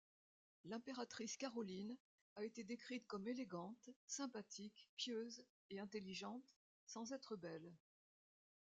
L'Impératrice Caroline a été décrite comme élégante, sympathique, pieuse et intelligente, sans être belle.